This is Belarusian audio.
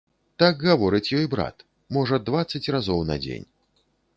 Так гаворыць ёй брат, можа, дваццаць разоў на дзень.